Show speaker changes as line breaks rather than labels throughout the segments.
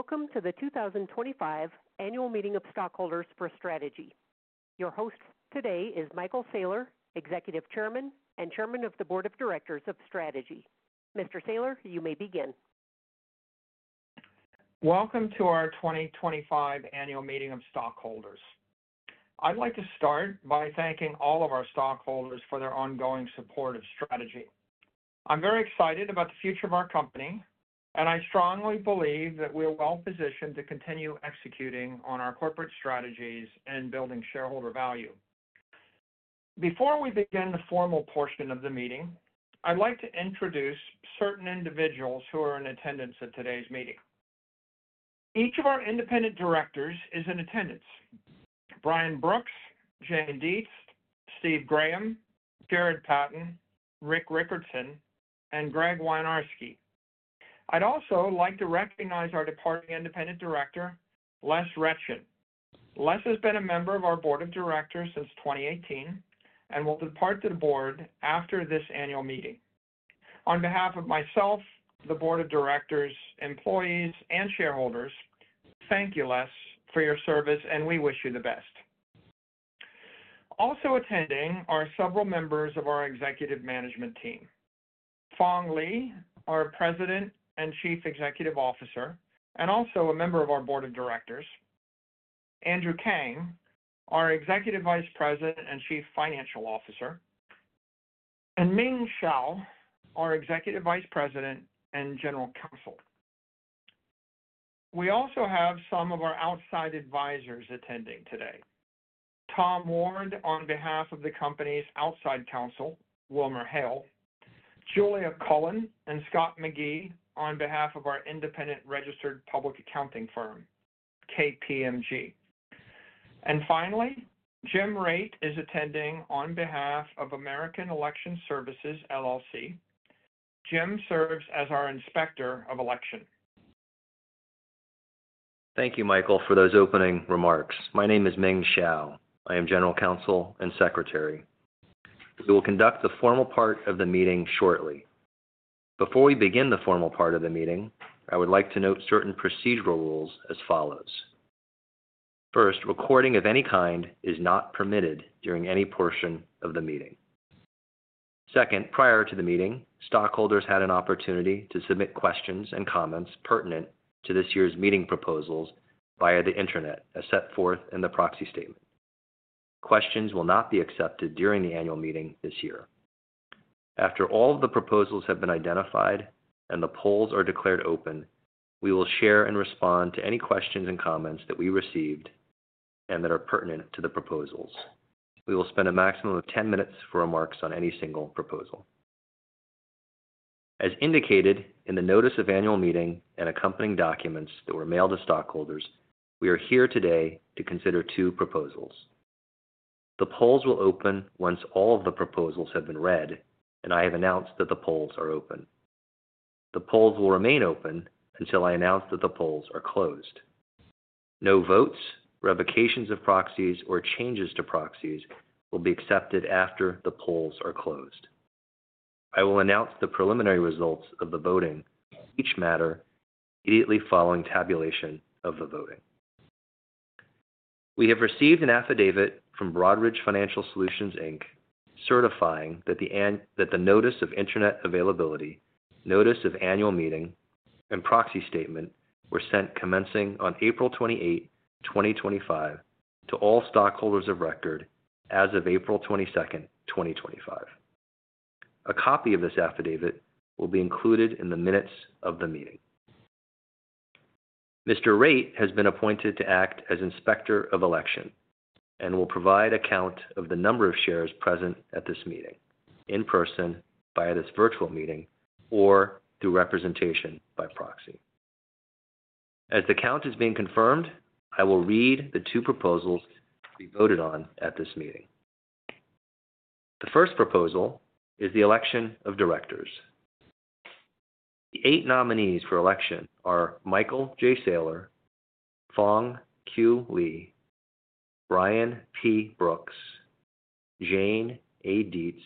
Welcome to the 2025 Annual Meeting of Stockholders for Strategy. Your host today is Michael Saylor, Executive Chairman and Chairman of the Board of Directors of Strategy, Mr. Saylor, you may begin.
Welcome to our 2025 Annual Meeting of Stockholders. I'd like to start by thanking all of our stockholders for their ongoing support of Strategy. I'm very excited about the future of our company, and I strongly believe that we are well positioned to continue executing on our corporate strategies and building shareholder value. Before we begin the formal portion of the meeting, I'd like to introduce certain individuals who are in attendance at today's meeting. Each of our independent directors is in attendance: Brian Brooks, Jayne Dietz, Steve Graham, Jered Patton, Rick Rickertsen, and Greg Wynarski. I'd also like to recognize our departing independent director, Les Ritchen. Les has been a member of our Board of Directors since 2018 and will depart the board after this annual meeting. On behalf of myself, the Board of Directors, employees, and shareholders, thank you, Les, for your service, and we wish you the best. Also attending are several members of our executive management team, Phong Le our President and Chief Executive Officer, and also a member of our Board of Directors; Andrew Kang, our Executive Vice President and Chief Financial Officer; and Ming Shao, our Executive Vice President and General Counsel. We also have some of our outside advisors attending today: Tom Ward on behalf of the company's outside counsel, Wilmer Hale, Julia Cullen and Scott McGee on behalf of our independent registered public accounting firm, KPMG, and finally, Jim Rate is attending on behalf of American Election Services, LLC. Jim serves as our Inspector of Election.
Thank you, Michael, for those opening remarks. My name is Ming Shao. I am General Counsel and Secretary. We will conduct the formal part of the meeting shortly. Before we begin the formal part of the meeting, I would like to note certain procedural rules as follows. First, recording of any kind is not permitted during any portion of the meeting. Second, prior to the meeting, stockholders had an opportunity to submit questions and comments pertinent to this year's meeting proposals via the intranet as set forth in the proxy statement. Questions will not be accepted during the annual meeting this year. After all of the proposals have been identified and the polls are declared open, we will share and respond to any questions and comments that we received and that are pertinent to the proposals. We will spend a maximum of 10 minutes for remarks on any single proposal. As indicated in the notice of annual meeting and accompanying documents that were mailed to stockholders, we are here today to consider two proposals. The polls will open once all of the proposals have been read, and I have announced that the polls are open. The polls will remain open until I announce that the polls are closed. No votes, revocations of proxies, or changes to proxies will be accepted after the polls are closed. I will announce the preliminary results of the voting on each matter immediately following tabulation of the voting. We have received an affidavit from Broadridge Financial Solutions Inc, certifying that the notice of intranet availability, notice of annual meeting, and proxy statement were sent commencing on April 28, 2025, to all stockholders of record as of April 22, 2025. A copy of this affidavit will be included in the minutes of the meeting. Mr. Rate has been appointed to act as Inspector of Election and will provide account of the number of shares present at this meeting in person via this virtual meeting or through representation by proxy. As the count is being confirmed, I will read the two proposals to be voted on at this meeting. The first proposal is the election of directors. The eight nominees for election are Michael J. Saylor, Phong Q. Le, Brian P. Brooks, Jayne A. Dietz,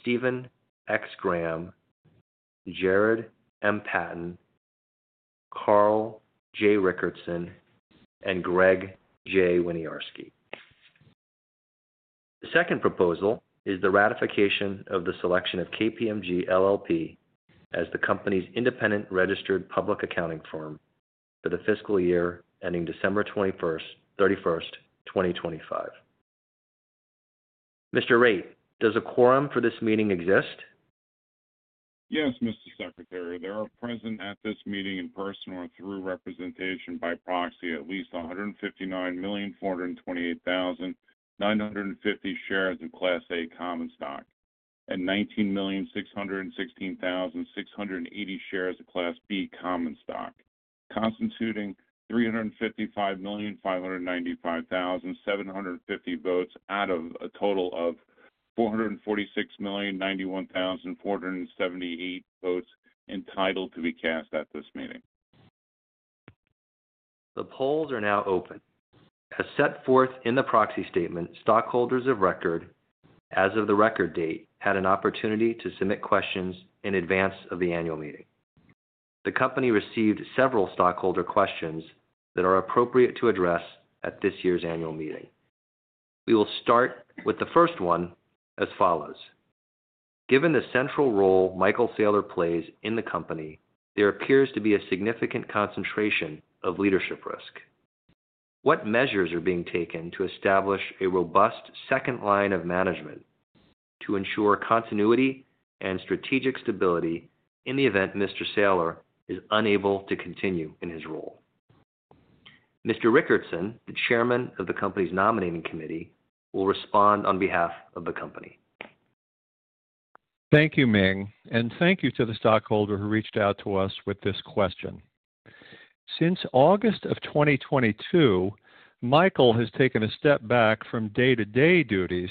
Stephen X. Graham, Jered M. Patton, Carl J. Rickertsen, and Greg J. Wynarski. The second proposal is the ratification of the selection of KPMG LLP as the company's independent registered public accounting firm for the fiscal year ending December 31, 2025. Mr. Rate, does a quorum for this meeting exist?
Yes, Mr. Secretary. There are present at this meeting in person or through representation by proxy at least 159,428,950 shares of Class A common stock and 19,616,680 shares of Class B common stock, constituting 355,595,750 votes out of a total of 446,091,478 votes entitled to be cast at this meeting.
The polls are now open. As set forth in the proxy statement, stockholders of record, as of the record date, had an opportunity to submit questions in advance of the annual meeting. The company received several stockholder questions that are appropriate to address at this year's annual meeting. We will start with the first one as follows. Given the central role Michael Saylor plays in the company, there appears to be a significant concentration of leadership risk. What measures are being taken to establish a robust second line of management to ensure continuity and strategic stability in the event Mr. Saylor is unable to continue in his role? Mr. Rickertsen, the Chairman of the company's Nominating Committee, will respond on behalf of the company.
Thank you, Ming. Thank you to the stockholder who reached out to us with this question. Since August of 2022, Michael has taken a step back from day-to-day duties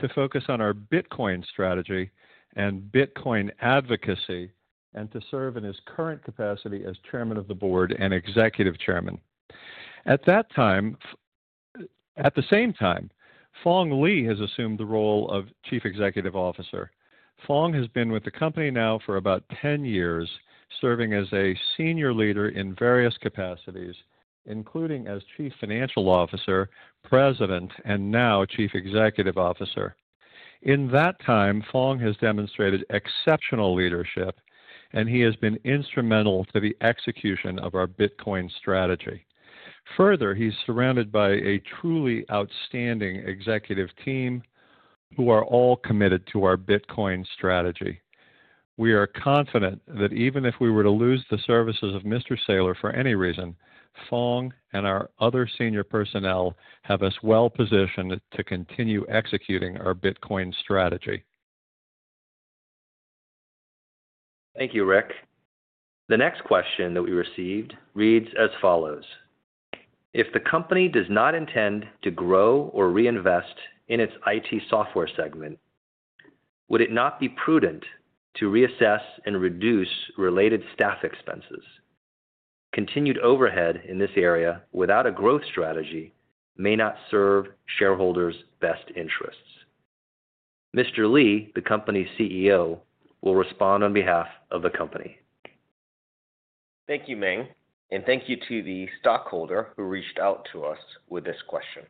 to focus on our Bitcoin strategy and Bitcoin advocacy and to serve in his current capacity as Chairman of the Board and Executive Chairman. At the same time, Phong Le has assumed the role of Chief Executive Officer. Phong has been with the company now for about 10 years, serving as a senior leader in various capacities, including as Chief Financial Officer, President, and now Chief Executive Officer. In that time, Phong has demonstrated exceptional leadership, and he has been instrumental to the execution of our Bitcoin strategy. Further, he is surrounded by a truly outstanding executive team who are all committed to our Bitcoin strategy. We are confident that even if we were to lose the services of Mr. Saylor for any reason, Phong and our other senior personnel have us well positioned to continue executing our Bitcoin strategy.
Thank you, Rick. The next question that we received reads as follows: If the company does not intend to grow or reinvest in its IT software segment, would it not be prudent to reassess and reduce related staff expenses? Continued overhead in this area without a growth strategy may not serve shareholders' best interests. Mr. Le, the company's CEO, will respond on behalf of the company.
Thank you, Ming. Thank you to the stockholder who reached out to us with this question.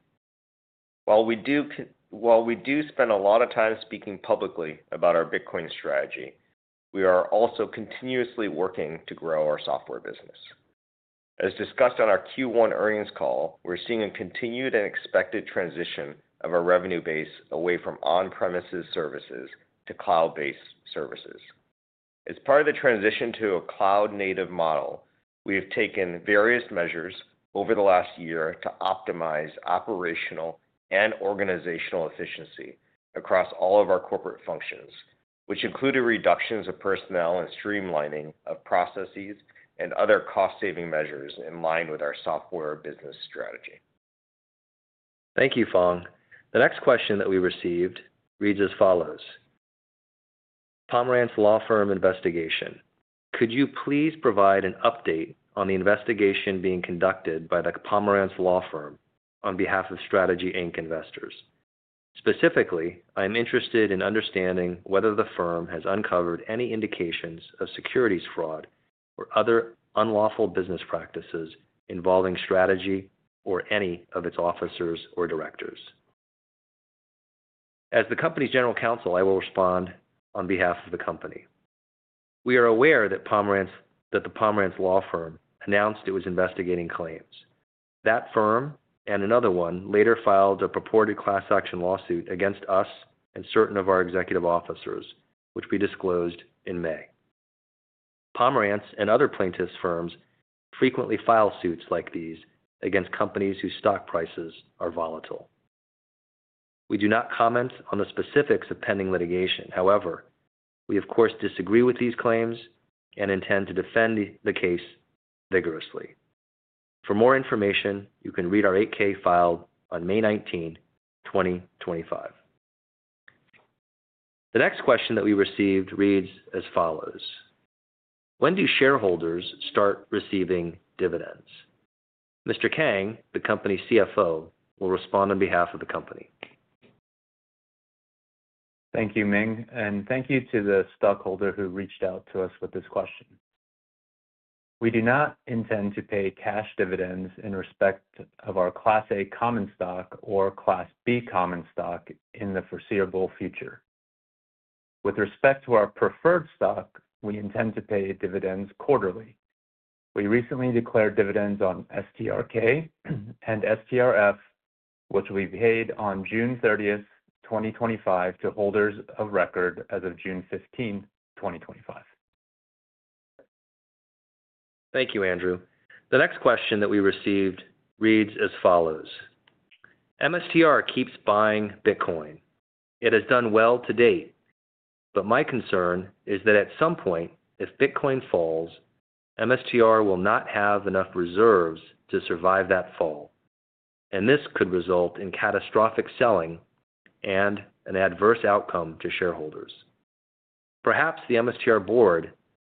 While we do spend a lot of time speaking publicly about our Bitcoin strategy, we are also continuously working to grow our software business. As discussed on our Q1 earnings call, we are seeing a continued and expected transition of our revenue base away from on-premises services to cloud-based services. As part of the transition to a cloud-native model, we have taken various measures over the last year to optimize operational and organizational efficiency across all of our corporate functions, which include reductions of personnel and streamlining of processes and other cost-saving measures in line with our software business strategy.
Thank you, Phong. The next question that we received reads as follows: Pomerantz Law Firm investigation. Could you please provide an update on the investigation being conducted by the Pomerantz Law Firm on behalf of Strategy investors? Specifically, I am interested in understanding whether the firm has uncovered any indications of securities fraud or other unlawful business practices involving Strategy or any of its officers or directors. As the company's General Counsel, I will respond on behalf of the company. We are aware that the Pomerantz Law Firm announced it was investigating claims. That firm and another one later filed a purported class action lawsuit against us and certain of our executive officers, which we disclosed in May. Pomerantz and other plaintiffs' firms frequently file suits like these against companies whose stock prices are volatile. We do not comment on the specifics of pending litigation. However, we, of course, disagree with these claims and intend to defend the case vigorously. For more information, you can read our 8-K filed on May 19, 2025. The next question that we received reads as follows: When do shareholders start receiving dividends? Mr. Kang, the company's CFO, will respond on behalf of the company.
Thank you, Ming. Thank you to the stockholder who reached out to us with this question. We do not intend to pay cash dividends in respect of our Class A common stock or Class B common stock in the foreseeable future. With respect to our preferred stock, we intend to pay dividends quarterly. We recently declared dividends on STRK and STRF, which we paid on June 30, 2025, to holders of record as of June 15, 2025.
Thank you, Andrew. The next question that we received reads as follows: MSTR keeps buying Bitcoin. It has done well to date, but my concern is that at some point, if Bitcoin falls, MSTR will not have enough reserves to survive that fall, and this could result in catastrophic selling and an adverse outcome to shareholders. Perhaps the MSTR board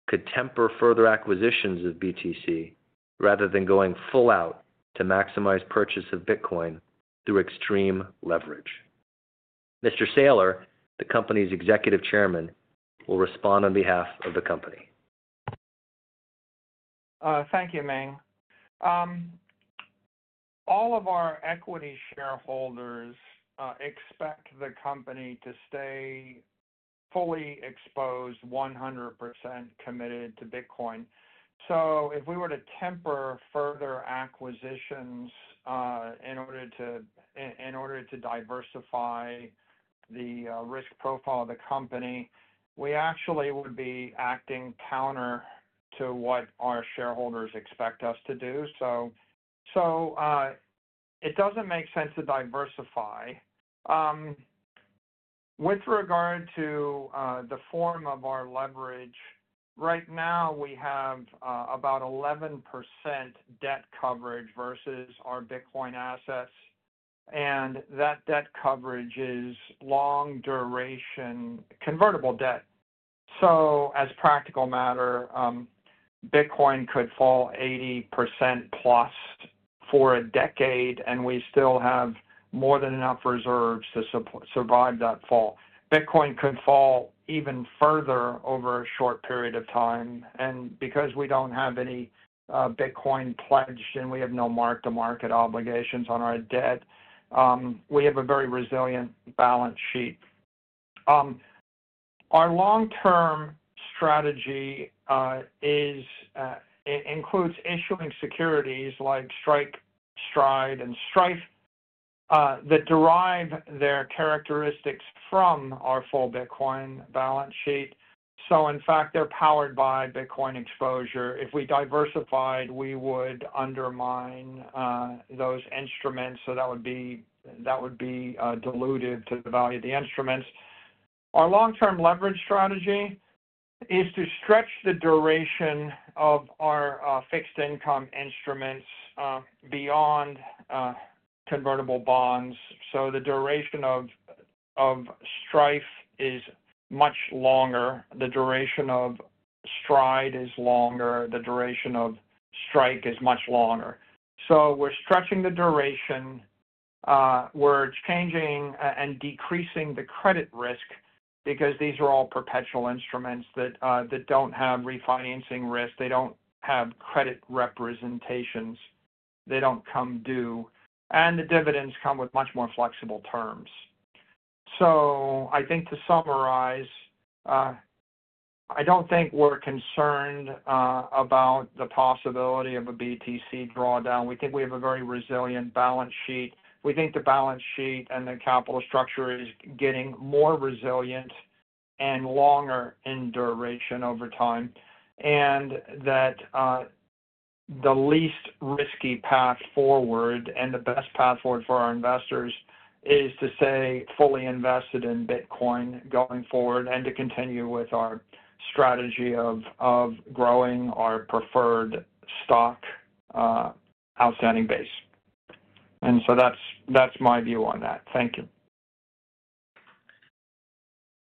could temper further acquisitions of BTC rather than going full out to maximize purchase of Bitcoin through extreme leverage. Mr. Saylor, the company's Executive Chairman, will respond on behalf of the company.
Thank you, Ming. All of our equity shareholders expect the company to stay fully exposed, 100% committed to Bitcoin. If we were to temper further acquisitions in order to diversify the risk profile of the company, we actually would be acting counter to what our shareholders expect us to do. It does not make sense to diversify. With regard to the form of our leverage, right now we have about 11% debt coverage versus our Bitcoin assets, and that debt coverage is long-duration convertible debt. As a practical matter, Bitcoin could fall 80% plus for a decade, and we still have more than enough reserves to survive that fall. Bitcoin could fall even further over a short period of time. Because we do not have any Bitcoin pledged and we have no mark-to-market obligations on our debt, we have a very resilient balance sheet. Our long-term strategy includes issuing securities like Strike, Stride, and Strife that derive their characteristics from our full Bitcoin balance sheet. In fact, they're powered by Bitcoin exposure. If we diversified, we would undermine those instruments, so that would be diluted to the value of the instruments. Our long-term leverage strategy is to stretch the duration of our fixed-income instruments beyond convertible bonds. The duration of Strife is much longer. The duration of Stride is longer. The duration of Strike is much longer. We're stretching the duration. We're changing and decreasing the credit risk because these are all perpetual instruments that do not have refinancing risk. They do not have credit representations. They do not come due. The dividends come with much more flexible terms. I think to summarize, I do not think we're concerned about the possibility of a BTC drawdown. We think we have a very resilient balance sheet. We think the balance sheet and the capital structure is getting more resilient and longer in duration over time, and that the least risky path forward and the best path forward for our investors is to stay fully invested in Bitcoin going forward and to continue with our strategy of growing our preferred stock outstanding base. That is my view on that. Thank you.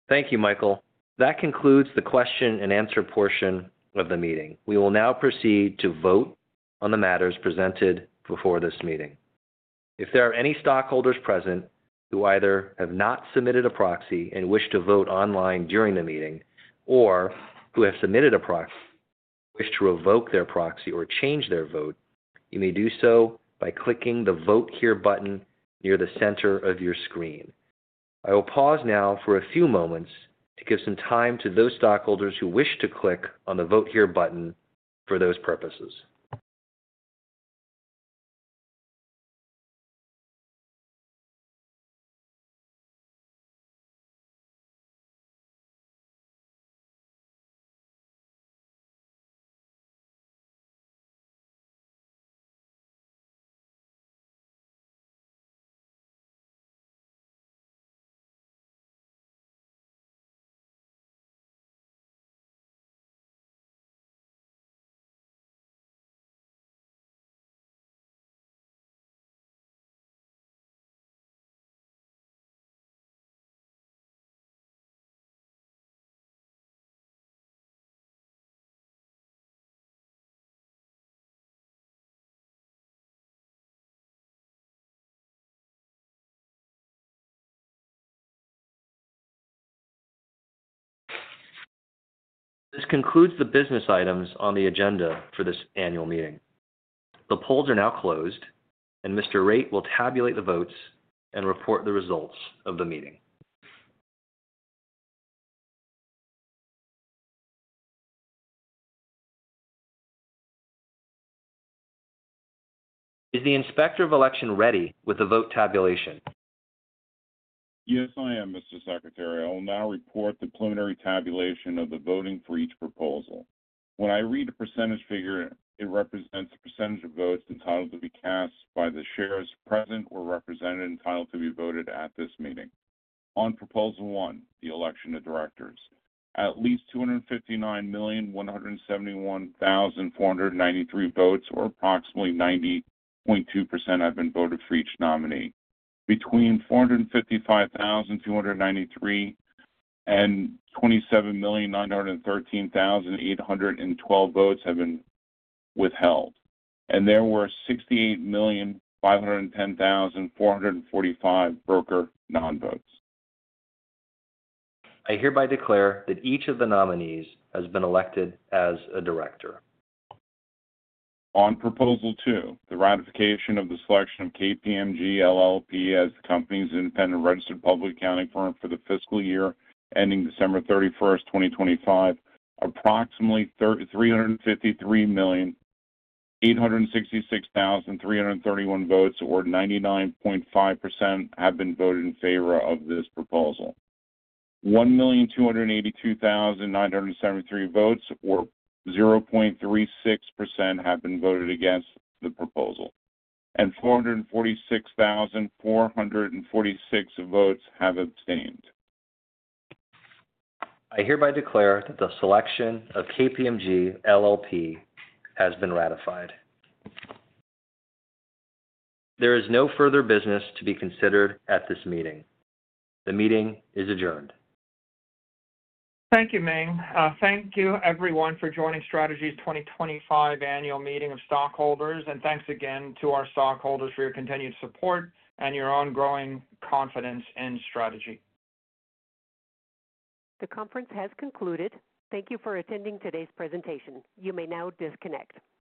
Thank you, Michael. That concludes the question-and-answer portion of the meeting. We will now proceed to vote on the matters presented before this meeting. If there are any stockholders present who either have not submitted a proxy and wish to vote online during the meeting, or who have submitted a proxy and wish to revoke their proxy or change their vote, you may do so by clicking the Vote Here button near the center of your screen. I will pause now for a few moments to give some time to those stockholders who wish to click on the Vote Here button for those purposes. This concludes the business items on the agenda for this annual meeting. The polls are now closed, and Mr. Rate will tabulate the votes and report the results of the meeting. Is the Inspector of Election ready with the vote tabulation?
Yes, I am, Mr. Secretary. I will now report the preliminary tabulation of the voting for each proposal. When I read the percentage figure, it represents the percentage of votes entitled to be cast by the shares present or represented entitled to be voted at this meeting. On Proposal One, the election of directors. At least 259,171,493 votes, or approximately 90.2%, have been voted for each nominee. Between 455,293 and 27,913,812 votes have been withheld, and there were 68,510,445 broker non-votes.
I hereby declare that each of the nominees has been elected as a director.
On Proposal Two, the ratification of the selection of KPMG LLP as the company's independent registered public accounting firm for the fiscal year ending December 31, 2025. Approximately 353,866,331 votes, or 99.5%, have been voted in favor of this proposal. 1,282,973 votes, or 0.36%, have been voted against the proposal, and 446,446 votes have abstained.
I hereby declare that the selection of KPMG LLP has been ratified. There is no further business to be considered at this meeting. The meeting is adjourned.
Thank you, Ming. Thank you, everyone, for joining Strategy's 2025 annual meeting of stockholders, and thanks again to our stockholders for your continued support and your ongoing confidence in Strategy.
The conference has concluded. Thank you for attending today's presentation. You may now disconnect.